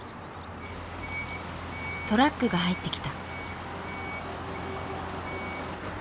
トラックが入ってきた。